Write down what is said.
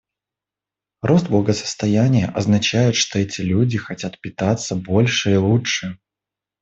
Рост благосостояния означает, что эти люди хотят питаться больше и лучше.